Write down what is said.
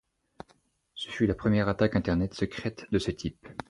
Ce fut la première attaque Internet secrète de ce type.